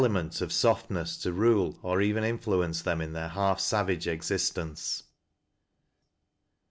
Dieut of softness to rule or eveu influence them in their half savage existence.